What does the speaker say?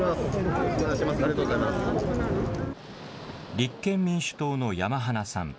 立憲民主党の山花さん。